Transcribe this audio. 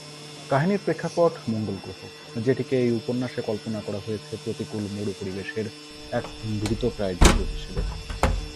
কাহিনির প্রেক্ষাপট মঙ্গল গ্রহ, যেটিকে এই উপন্যাসে কল্পনা করা হয়েছে প্রতিকূল মরু পরিবেশের এক মৃতপ্রায় গ্রহ হিসেবে।